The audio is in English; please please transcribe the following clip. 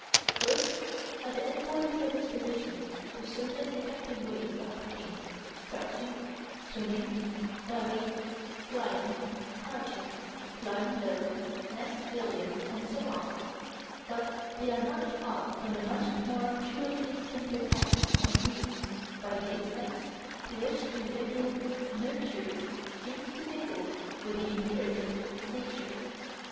Birds have inborn predispositions to certain effective ways of pecking, scratching, swimming, diving, flying, crouching, lying low, nest building, and so on; but they are marked off from the much more purely instinctive ants and bees by the extent to which individual "nurture" seems to mingle with the inherited "nature."